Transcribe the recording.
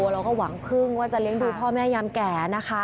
เราก็หวังพึ่งว่าจะเลี้ยงดูพ่อแม่ยามแก่นะคะ